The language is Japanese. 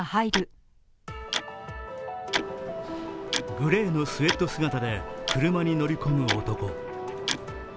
グレーのスエット姿で車に乗り込む男。